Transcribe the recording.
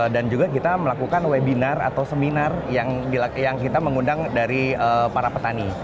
dan juga kita melakukan webinar atau seminar yang kita mengundang dari para petani